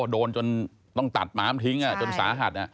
โดนจนต้องตัดม้ามทิ้งจนสาหัส